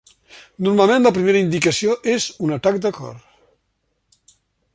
Normalment la primera indicació és un atac de cor.